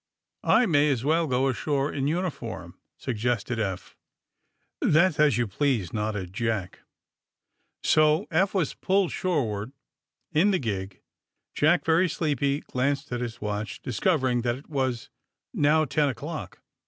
^^I may as well go ashore in uniform/' sug gested Eph. ^'That's as you please," nodded Jack. So Eph was pulled shoreward in the gig. Jack, very sleepy, glanced at his watch, discov ering that it was now ten o'clock.